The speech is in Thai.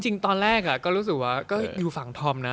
จริงตอนแรกก็รู้สึกว่าก็อยู่ฝั่งธอมนะ